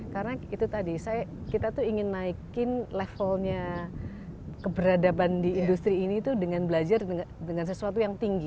karena itu tadi kita tuh ingin naikin levelnya keberadaban di industri ini tuh dengan belajar dengan sesuatu yang tinggi